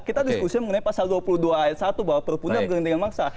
kita diskusi mengenai pasal dua puluh dua ayat satu bahwa perpu ini bergenting dengan mangsa